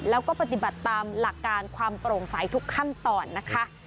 แล้วก็ปฏิบัติตามหลักการความโปร่งใสทุกขั้นตอนนะคะ